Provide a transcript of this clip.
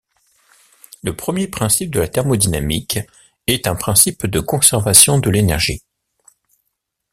Le premier principe de la thermodynamique est un principe de conservation de l'énergie.